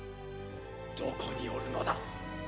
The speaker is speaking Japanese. どこにおるのだ？